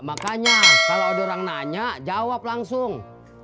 makanya kalau ada orang nanya jawab langsung